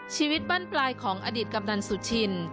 ชีวิตบั้นปลายของอดีตกับนันตร์สุชิน